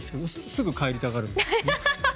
すぐ帰りたくなる？